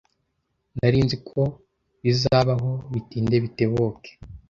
Nari nzi ko bizabaho bitinde bitebuke.